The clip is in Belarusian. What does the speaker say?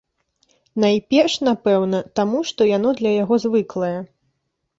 Найперш, напэўна, таму, што яно для яго звыклае.